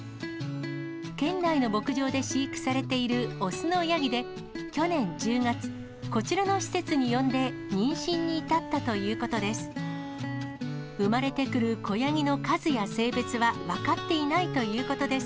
県内の牧場で飼育されている雄のヤギで、去年１０月、こちらの施設に呼んで、妊娠に至ったということです。